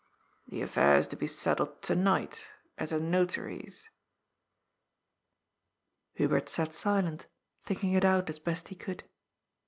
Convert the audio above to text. The affair is to be settled to night, at a Notary's." Hubert sat silent, thinking it out as best he could.